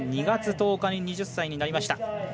２月１０日に２０歳になりました。